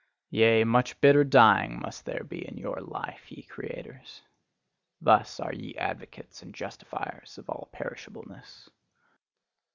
Yea, much bitter dying must there be in your life, ye creators! Thus are ye advocates and justifiers of all perishableness.